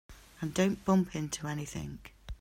And don't bump into anything.